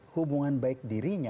hubungan baik dirinya